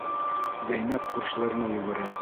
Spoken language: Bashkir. Зәйнәп күршеләренә йүгерә.